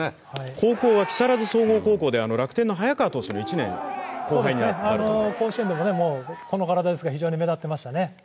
高校は木更津総合高校で早川投手の甲子園でもこの体ですから目立ってましたね。